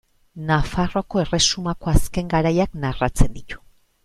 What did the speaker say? Nafarroako erresumako azken garaiak narratzen ditu.